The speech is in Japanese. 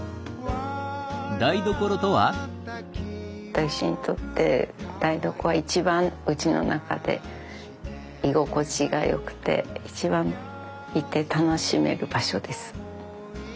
私にとって台所は一番うちの中で居心地が良くて一番いて楽しめる場所です。